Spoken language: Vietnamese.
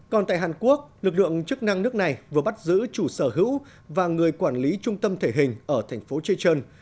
còn tại hàn quốc lực lượng chức năng nước này vừa bắt giữ chủ sở hữu và người quản lý trung tâm thể hình ở thành phố chechon